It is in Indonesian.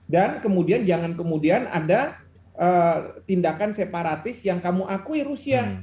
dan kemudian jangan kemudian ada tindakan separatis yang kamu akui rusia